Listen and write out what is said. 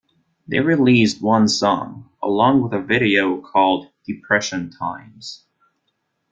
They released one song, along with a video, called 'Depression Times'.